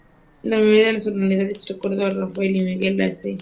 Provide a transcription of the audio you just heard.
La mayoría de las tonalidades recuerdan a Rafael y a Miguel Ángel.c